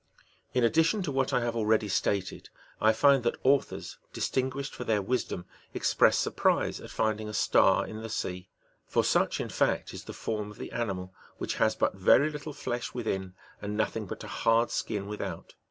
In addition to what I have already stated, I find that authors, distinguished for their wisdom, express surprise at finding a star in the sea — for such, in fact, is the form of the animal, which has but very little flesh^^ within, and nothing but a hard skin without.